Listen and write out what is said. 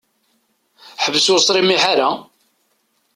Ḥbes ur sṛimiḥ ara!